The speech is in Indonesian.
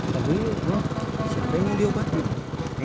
tapi siapa yang diobati